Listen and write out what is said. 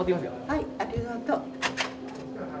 はいありがとう。